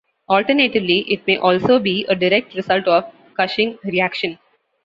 Alternatively, it may also be a direct result of Cushing reaction.